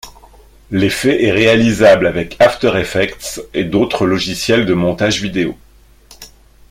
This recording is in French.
L'effet est réalisable avec After Effects et d'autres logiciels de montage vidéo.